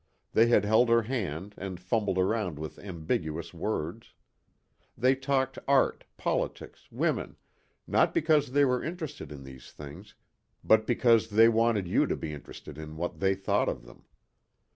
They had held her hand and fumbled around with ambiguous words. They talked art, politics, women, not because they were interested in these things but because they wanted you to be interested in what they thought of them.